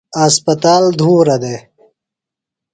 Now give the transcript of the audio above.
اسپتال دُھورہ دےۡ۔